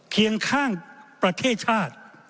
เคียงข้างประเทศชาติ